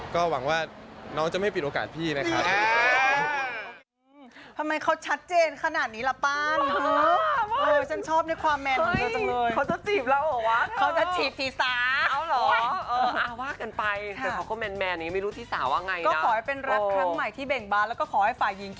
ก็หวังว่าน้องมันจะไม่มีเป็นเพลิน